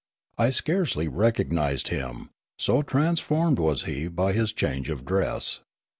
I scarcely recognised him, so transformed was he by his change of dress.